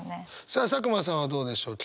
さあ佐久間さんはどうでしょう？